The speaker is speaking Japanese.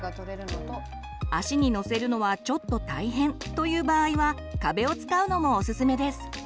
足に乗せるのはちょっと大変という場合は壁を使うのもおすすめです。